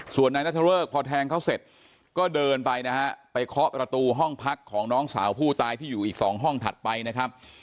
ส่วนนายนัทเริกพอแทงเขาเสร็จก็เดินไปนะฮะไปเคาะประตูห้องพักของน้องสาวผู้ตายที่อยู่อีกสองห้องถัดไปนะครับ